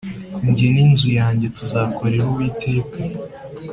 njye ni nzu yanjye tuzakorera uwiteka